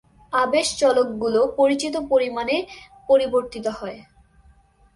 আবেশ চলকগুলো পরিচিত পরিমাণে পরিবর্তিত হয়।